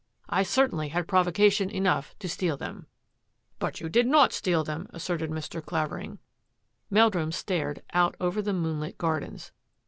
I certainly had provo cation enough to steal them." " But you did not steal them," asserted Mr. Clavering. Meldrum stared out over the moonlit gardens.